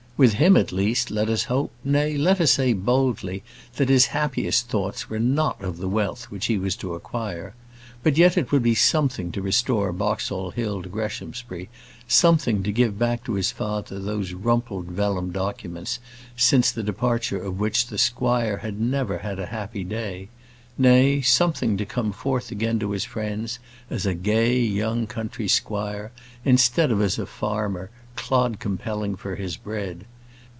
With him, at least, let us hope, nay, let us say boldly, that his happiest thoughts were not of the wealth which he was to acquire. But yet it would be something to restore Boxall Hill to Greshamsbury; something to give back to his father those rumpled vellum documents, since the departure of which the squire had never had a happy day; nay, something to come forth again to his friends as a gay, young country squire, instead of as a farmer, clod compelling for his bread.